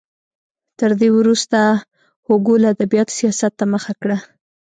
تر دې وروسته هوګو له ادبیاتو سیاست ته مخه کړه.